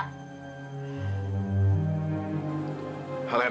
tepat di sini